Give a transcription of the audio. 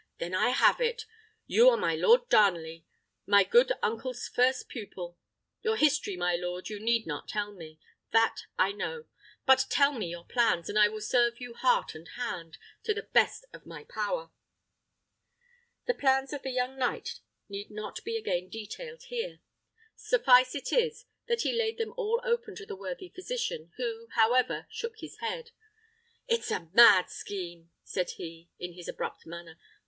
"Then I have it! You are my Lord Darnley, my good uncle's first pupil. Your history, my lord, you need not tell me: that I know. But tell me your plans, and I will serve you heart and hand, to the best of my power." The plans of the young knight need not be again detailed here. Suffice it that he laid them all open to the worthy physician, who, however, shook his head. "It's a mad scheme!" said he, in his abrupt manner.